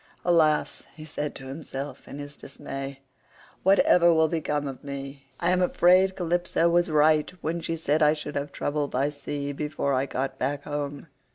"Alas," he said to himself in his dismay, "what ever will become of me? I am afraid Calypso was right when she said I should have trouble by sea before I got back home.